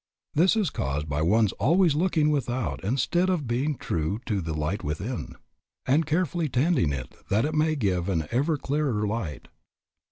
This is caused by one's always looking without instead of being true to the light within, and carefully tending it that it may give an ever clearer light.